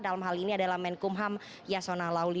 dalam hal ini adalah menkumham yasona lauli